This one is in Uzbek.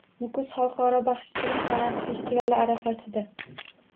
Nukus Xalqaro baxshichilik san’ati festivali arafasida